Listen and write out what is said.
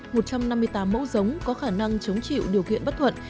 một trăm năm mươi tám mẫu giống có khả năng chống chịu điều kiện bất thuận